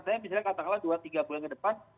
saya misalnya katakanlah dua tiga bulan ke depan